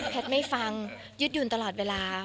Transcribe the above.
แพทย์ไม่ฟางยืดหยุ่นตลอดเวลา